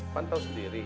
kan tau sendiri